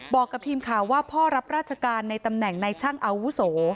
บอกกับทีมข่าวว่าพ่อรับราชการในตำแหน่งในช่างอาวุโส